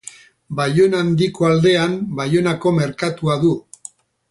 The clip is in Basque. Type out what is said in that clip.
Baiona Handiko aldean Baionako merkatua du.